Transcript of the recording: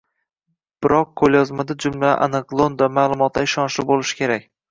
Biroq yozmada jumlalar aniq, lo‘nda, ma’lumotlar ishonchli bo‘lishi kerak.